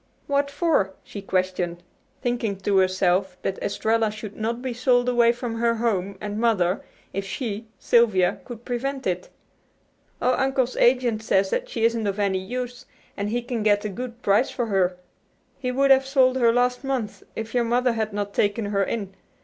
"What for?" she questioned, thinking to herself that Estralla should not be sold away from her home and mother if she, Sylvia, could prevent it. "Oh, Uncle's agent says she isn't of any use, and he can get a good price for her. He would have sold her last month if your mother had not taken her in.